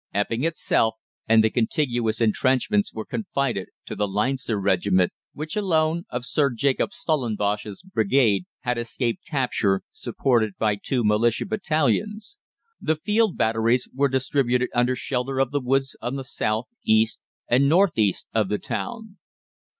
Epping itself and the contiguous entrenchments were confided to the Leinster Regiment, which alone of Sir Jacob Stellenbosch's brigade had escaped capture, supported by two Militia battalions. The field batteries were distributed under shelter of the woods on the south, east, and north east of the town.